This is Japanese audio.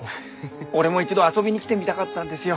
俺も一度遊びに来てみたかったんですよ。